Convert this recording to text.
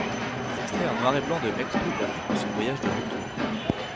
Des extraits en noir et blanc de Mektoub rythment ce voyage de retour.